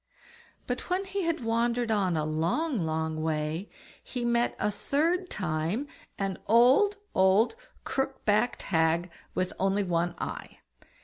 But when he had wandered on a long, long way, he met a third time an old, old crook backed hag, with only one eye.